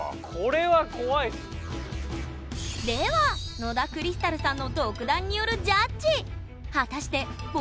では野田クリスタルさんの独断によるジャッジ！